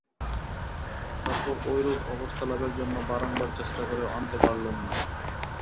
তারপর ঐরূপ অবস্থালাভের জন্য বারংবার চেষ্টা করেও আনতে পারলুম না।